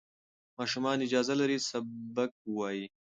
ماشومان اجازه لري سبق ووایي.